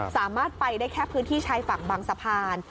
สามารถไปได้แค่พื้นที่ชายฝั่งบางสะพาน